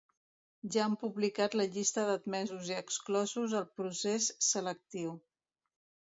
Ja han publicat la llista d'admesos i exclosos al procés selectiu.